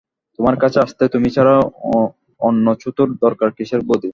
তোমার কাছে আসতে তুমি ছাড়া অন্য ছুতোর দরকার কিসের বউদি।